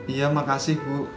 iya makasih bu